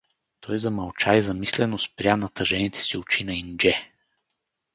Той замълча и замислено спря натъжените си очи на Индже.